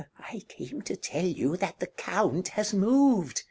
] I came to tell you that the Count has moved.